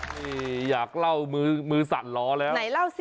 นี่อยากเล่ามือสันลอแล้ว